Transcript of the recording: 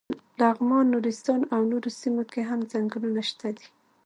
لغمان، نورستان او نورو سیمو کې هم څنګلونه شته دي.